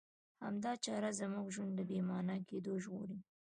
همدا چاره زموږ ژوند له بې مانا کېدو ژغوري.